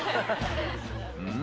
うん？